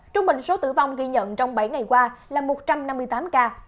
trung bình số tử vong ghi nhận trong bảy ngày qua là một trăm năm mươi tám ca